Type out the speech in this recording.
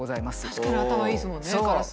確かに頭いいですもんねカラス。